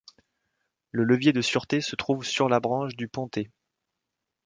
Le levier de sûreté se trouve sur la branche du pontet.